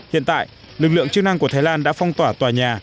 hiện tại lực lượng chức năng của thái lan đã phong tỏa tòa nhà